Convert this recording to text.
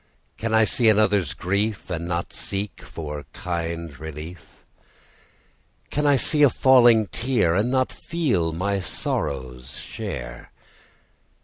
Can I see another's grief, And not seek for kind relief? Can I see a falling tear, And not feel my sorrow's share?